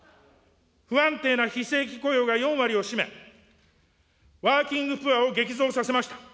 不安定な非正規雇用が４割を占め、ワーキングプアを激増させました。